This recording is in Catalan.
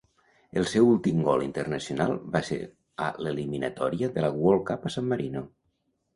El seu últim gol internacional va ser a l'eliminatòria de la World Cup a San Marino.